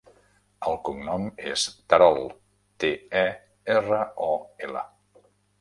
El cognom és Terol: te, e, erra, o, ela.